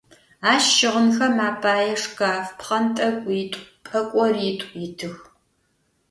Ащ щыгъынхэм апае шкаф, пкъэнтӏэкӏуитӏу, пӏэкӏоритӏу итых.